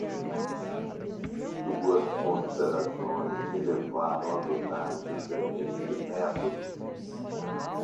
duas considerações me levaram a adotar diferente método